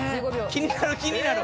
「気になる気になる！